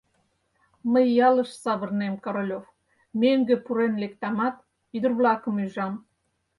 Мый ялыш савырнем, Королёв, мӧҥгӧ пурен лектамат, ӱдыр-влакым ӱжам.